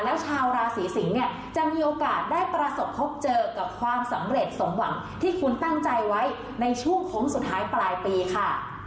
แล้วชาวราศีสิงศ์เนี่ยจะมีโอกาสได้ประสบพบเจอกับความสำเร็จสมหวังที่คุณตั้งใจไว้ในช่วงโค้งสุดท้ายปลายปีค่ะ